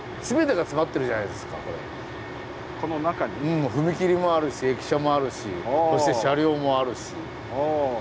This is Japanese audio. うん踏切もあるし駅舎もあるしそして車両もあるし。